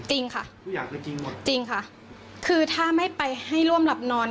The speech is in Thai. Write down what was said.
จริงค่ะทุกอย่างได้จริงหมดจริงค่ะคือถ้าไม่ไปให้ร่วมหลับนอน